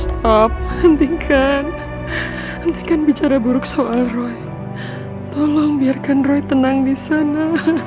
stop hentikan hentikan bicara buruk soal roy tolong biarkan roy tenang di sana